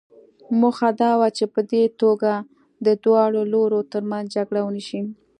موخه دا وه چې په دې توګه د دواړو لورو ترمنځ جګړه ونه شي.